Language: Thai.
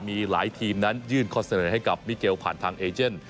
มีหลายทีมนั้นยื่นข้อเสนอให้กับมิเกลผ่านทางเอเจน